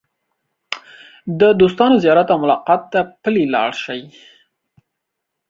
د دوستانو زیارت او ملاقات ته پلي لاړ شئ.